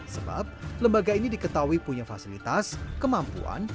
sebab lembaga ini diketahui punya fasilitas kemampuan